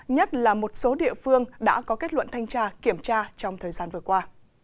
nhất là một số địa phương đã có kết luận thanh tra kiểm tra trong thời gian vừa qua